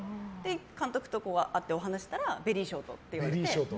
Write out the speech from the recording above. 監督と会ってお話をしたらベリーショートって言われて。